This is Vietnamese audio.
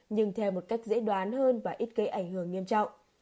nhưng theo một cách dễ đoán hơn và ít gây ảnh hưởng nghiêm trọng